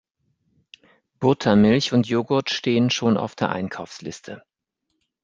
Buttermilch und Jogurt stehen schon auf der Einkaufsliste.